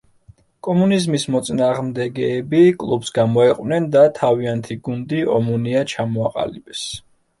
კომუნიზმის მოწინააღმდეგეები კლუბს გამოეყვნენ და თავიანთი გუნდი, „ომონია“ ჩამოაყალიბეს.